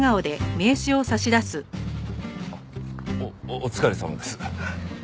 おお疲れさまです。